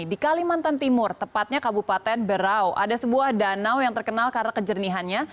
di kalimantan timur tepatnya kabupaten berau ada sebuah danau yang terkenal karena kejernihannya